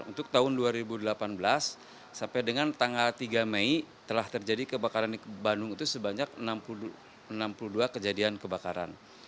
untuk tahun dua ribu delapan belas sampai dengan tanggal tiga mei telah terjadi kebakaran di bandung itu sebanyak enam puluh dua kejadian kebakaran